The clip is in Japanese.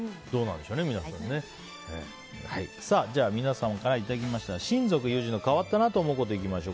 では、皆さんからいただいた親族・友人の変わったなぁと思ったこといきましょう。